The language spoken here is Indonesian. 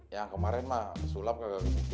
yang kemarin mah sulap kagak kagak gitu